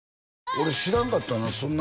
俺知らんかったな